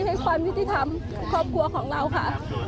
ให้ความยุติธรรมครอบครัวของเราค่ะ